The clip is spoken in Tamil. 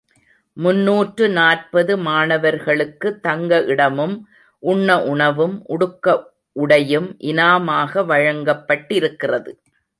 முன்னூற்று நாற்பது மாணவர்களுக்கு தங்க இடமும், உண்ண உணவும், உடுக்க உடையும் இனாமாக வழங்கப்பட்டிருக்கிறது.